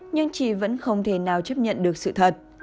nhưng chị vẫn không thể nào chấp nhận được sự thật